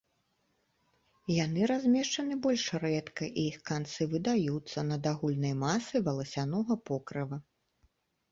Яны размешчаны больш рэдка, і іх канцы выдаюцца над агульнай масай валасянога покрыва.